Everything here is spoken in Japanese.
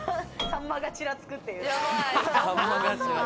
さんまが、ちらつくっていう。